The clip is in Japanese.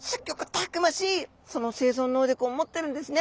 たくましい生存能力を持ってるんですね。